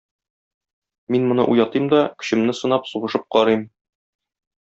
Мин моны уятыйм да көчемне сынап, сугышып карыйм.